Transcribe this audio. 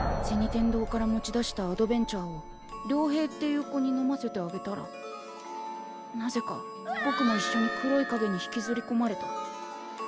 天堂から持ち出したアドベン茶を遼平っていう子に飲ませてあげたらなぜかぼくもいっしょに黒いかげに引きずりこまれた。